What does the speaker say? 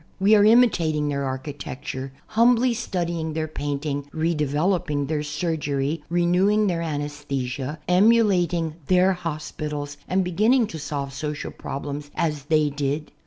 We are imitating their architecture, humbly studying their painting, redevelc^ping their surgery, renewing their anesthesia, emulating their hospitals and beginning to solve social problems as they did.